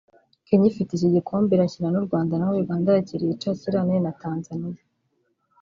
Kenya ifite iki gikombe irakina n’u Rwanda naho Uganda yakiriye icakirane na Tanzania